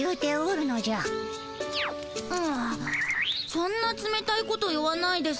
そんなつめたいこと言わないでさ。